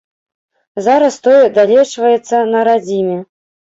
Зараз той далечваецца на радзіме.